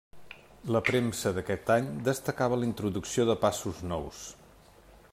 La premsa d'aquest any destacava la introducció de passos nous.